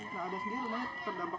nah abis ini lumayan terdampak banjir